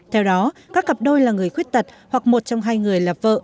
theo đó các cặp đôi là người khuyết tật hoặc một trong hai người là vợ